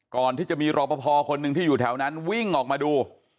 ก่อนที่จะมีรอปภคนหนึ่งที่อยู่แถวนั้นวิ่งออกมาดู